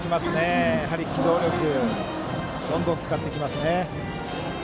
機動力をどんどん使ってきますね。